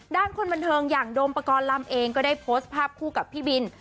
คนบันเทิงอย่างโดมปกรณ์ลำเองก็ได้โพสต์ภาพคู่กับพี่บิน